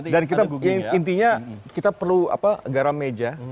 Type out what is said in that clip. dan kita intinya kita perlu apa garam meja